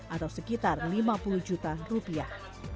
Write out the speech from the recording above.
atau sekitar lima puluh juta rupiah